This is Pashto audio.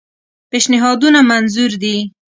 پېشنهادونه منظور دي.